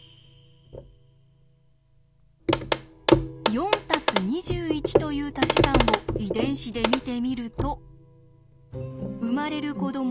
４＋２１というたし算を遺伝子で見てみると生まれる子ども